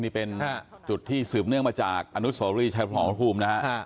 นี่เป็นจุดที่สืบเนื่องมาจากอนุสคร์ฟอลลี่ชัยผลหอคมภูมินะฮะ